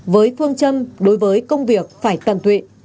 với phương châm đối với công việc phải tận tụy